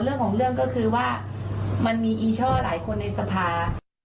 เรื่องของเรื่องก็คือว่ามันมีอีช่อหลายคนในสภา